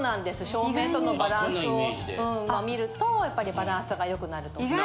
照明とのバランスを見るとバランスが良くなると思います。